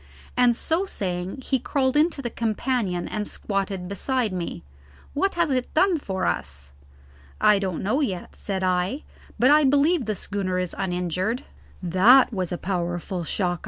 and so saying he crawled into the companion and squatted beside me. "What has it done for us?" "I don't know yet," said I; "but I believe the schooner is uninjured. That was a powerful shock!"